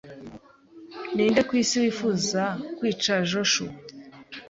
Ninde ku isi wifuza kwica Joshua?